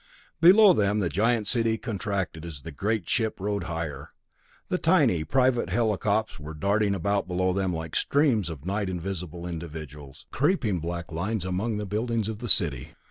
Below them the giant city contracted as the great ship rode higher. The tiny private helicops were darting about below them like streams of nigh invisible individuals, creeping black lines among the buildings of the city.